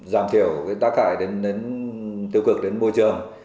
giảm thiểu tác hại đến tiêu cực đến môi trường